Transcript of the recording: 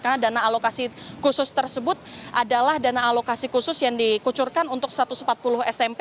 karena dana alokasi khusus tersebut adalah dana alokasi khusus yang dikucurkan untuk satu ratus empat puluh smp